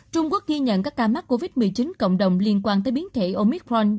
trung quốc ghi nhận các ca mắc covid một mươi chín cộng đồng liên quan tới biến thể omitrank